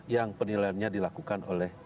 yang penilaiannya dilakukan oleh